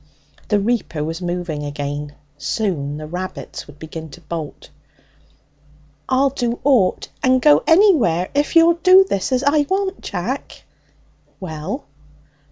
The reaper was moving again. Soon the rabbits would begin to bolt. 'I'll do ought and go anywhere if you'll do this as I want, Jack.' 'Well?'